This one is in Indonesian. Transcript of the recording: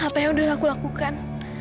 apa yang udah aku lakukan